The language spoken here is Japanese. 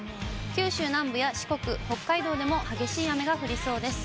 九州南部や四国、北海道でも激しい雨が降りそうです。